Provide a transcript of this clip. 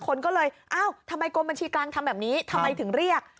คนก็เลยเอ้าทำไมกรมบัญชีกลางทำแบบนี้ทำไมถึงเรียก